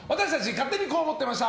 勝手にこう思ってました！